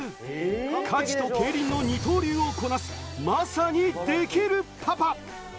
家事と競輪の二刀流をこなす、まさにデキるパパ！